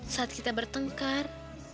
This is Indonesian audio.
saat kita bertengkar